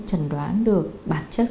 chẩn đoán được bản chất